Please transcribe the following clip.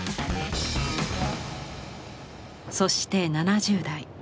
そして７０代。